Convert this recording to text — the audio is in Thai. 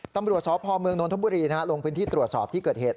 ตำรวจสพเมืองนทบุรีลงพื้นที่ตรวจสอบที่เกิดเหตุ